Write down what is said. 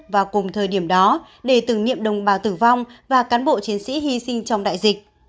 vào cùng thời điểm đó để tử nghiệm đồng bào tử vong và cán bộ chiến sĩ hy sinh trong đại dịch